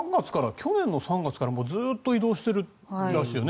去年の３月からずっと移動しているらしいよね。